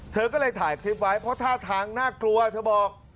เธอก็เลยถ่ายคลิปไว้เพราะท่าทางน่ากลัวเธอบอก